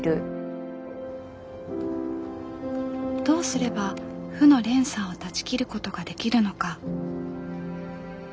どうすれば負の連鎖を断ち切ることができるのか。